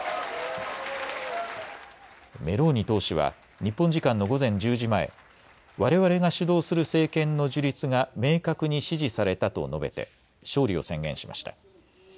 メローニ党首は日本時間の午前１０時前、われわれが主導する政権の樹立が明確に支持されたと述べて勝利を宣言しました。